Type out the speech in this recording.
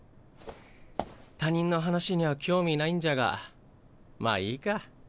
他人の話には興味ないんじゃがまあいいか。